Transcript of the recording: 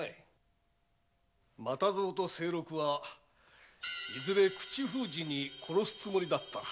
又蔵と清六はいずれ口封じに殺すつもりだった。